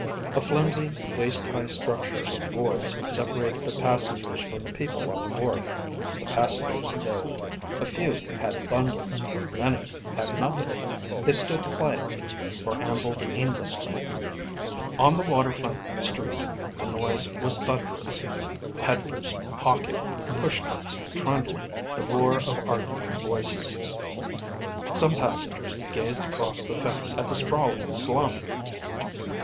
A flimsy, waist high structure of boards separated the passengers from the people on the wharf. The passengers milled. A few had bundles. Many had nothing. They stood quietly, or ambled aimlessly. On the waterfront street, the noise was thunderous. Peddlers hawking, pushcarts trundling, the roar of arguing voices. Some passengers gazed across the fence at the sprawling slum.